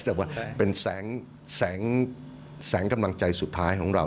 แต่ว่าเป็นแสงกำลังใจสุดท้ายของเรา